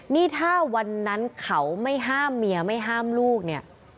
นี่ถ้าวันนั้นเขาไม่ห้ามเมียไม่ห้ามลูกเนี่ย